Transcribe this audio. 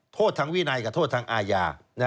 โทษทางวินัยกับโทษทางอาญา